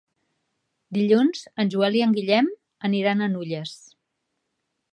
Dilluns en Joel i en Guillem aniran a Nulles.